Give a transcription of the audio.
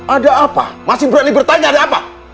ada apa masih berani bertanya ada apa